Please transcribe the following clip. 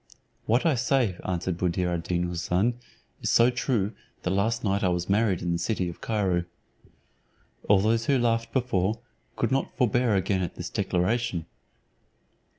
"What I say," answered Buddir ad Deen Houssun, "is so true that last night I was married in the city of Cairo." All those who laughed before, could not forbear again at this declaration.